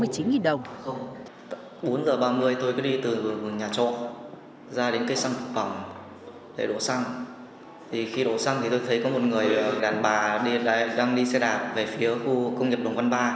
bốn h ba mươi tôi đi từ nhà trộm ra đến sân phòng để đổ xăng khi đổ xăng tôi thấy có một người đàn bà đang đi xe đạp về phía khu công nghiệp đồng văn ba